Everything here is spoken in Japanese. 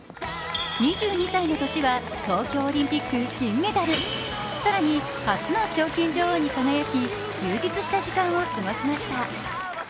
２２歳の年は東京オリンピック金メダル更に初の賞金女王に輝き充実した時間を過ごしました。